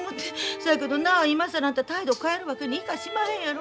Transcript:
そやけどな今更態度を変えるわけにいかしまへんやろ。